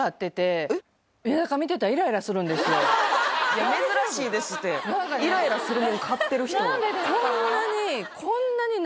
いや珍しいですってイライラするもん飼ってる人・何でですか？